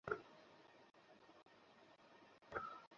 এরই জের ধরে আলম হোসেনের শাবলের আঘাতে দেলোয়ার হোসেন গুরুতর জখম হন।